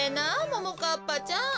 ももかっぱちゃん。